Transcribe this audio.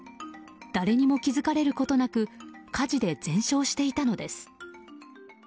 誰にも気づかれることなく火事で全焼していたのです。